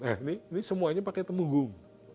eh ini semuanya pakai temenggung